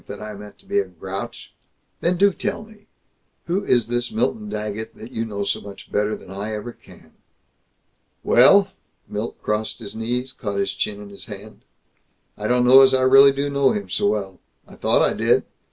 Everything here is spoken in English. that I meant to be a grouch " "Then do tell me Who is this Milton Daggett that you know so much better than I ever can?" "Well," Milt crossed his knees, caught his chin in his hand, "I don't know as I really do know him so well. I thought I did.